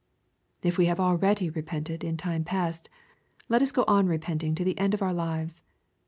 If we have already repented in time past, let us go on repenting to the end of our lives.